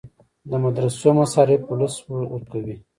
د مدرسو مصارف ولس ورکوي